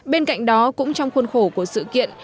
bên cạnh đó cũng trong khuôn khổ của sự kiện